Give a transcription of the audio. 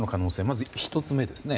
まず１つ目ですね。